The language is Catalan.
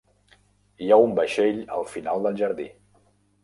Hi ha un vaixell al final del jardí.